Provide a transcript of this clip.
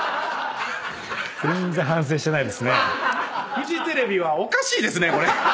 フジテレビはおかしいですねこれ。